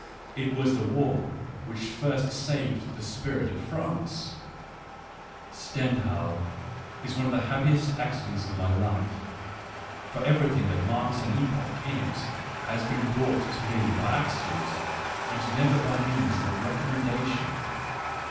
It was the war which first saved the spirit of France. .. .Stendhal is one of the happiest accidents of my life — for everything Digitized by Google WHY I AM SO CLEVER 39 that marks an epoch in it has been brought to me by accident and never by means of a recommenda tion.